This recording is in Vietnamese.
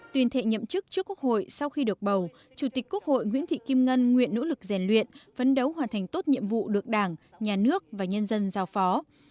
tuyên thệ nhậm chức trước quốc hội sau khi được bầu chủ tịch quốc hội nguyễn thị kim ngân nguyện nỗ lực rèn luyện phấn đấu hoàn thành tốt nhiệm vụ được đảng nhà nước và nhân dân giao phó